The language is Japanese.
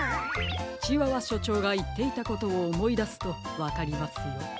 チワワしょちょうがいっていたことをおもいだすとわかりますよ。